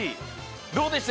どうでした？